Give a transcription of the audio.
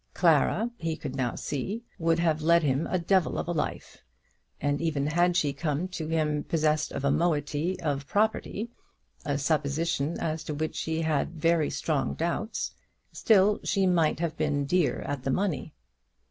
Clara, he could now see, would have led him a devil of a life; and even had she come to him possessed of a moiety of the property, a supposition as to which he had very strong doubts, still she might have been dear at the money.